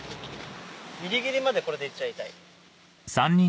ギリギリまでこれで行っちゃいたい。